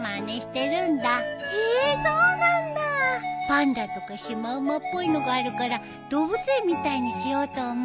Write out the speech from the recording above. パンダとかシマウマっぽいのがあるから動物園みたいにしようと思って。